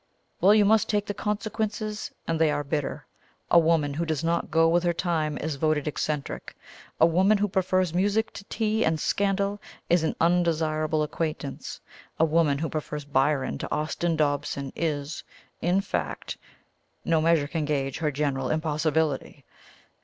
"Well, but you must take the consequences, and they are bitter. A woman who does not go with her time is voted eccentric; a woman who prefers music to tea and scandal is an undesirable acquaintance; and a woman who prefers Byron to Austin Dobson is in fact, no measure can gauge her general impossibility!"